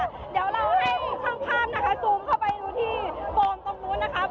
เดี๋ยวเราให้ช่างภาพนะคะซูมเข้าไปดูที่โฟมตรงนู้นนะครับ